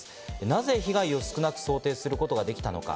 なぜ被害を少なく想定することができたのか？